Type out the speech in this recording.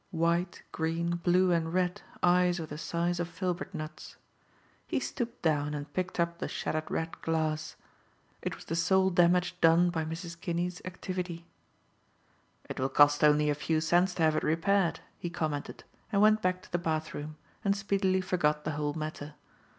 White, green, blue and red, eyes of the size of filbert nuts. He stooped down and picked up the shattered red glass. It was the sole damage done by Mrs. Kinney's activity. "It will cost only a few cents to have it repaired," he commented, and went back to the bathroom, and speedily forgot the whole matter.